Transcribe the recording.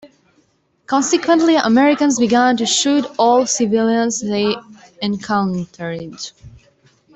Consequently, Americans began to shoot all civilians they encountered.